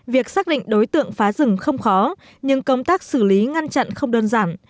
việc xác định đối tượng phá rừng không khó nhưng công tác xử lý ngăn chặn không đơn giản